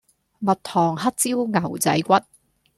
蜜糖黑椒牛仔骨